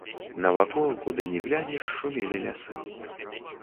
Навакол, куды ні глянеш, шумелі лясы.